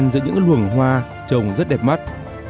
giữa những luồng hoa trồng rất đẹp mắt